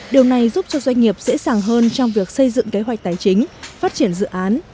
điều này giúp cho doanh nghiệp dễ dàng hơn trong việc xây dựng kế hoạch tài chính phát triển dự án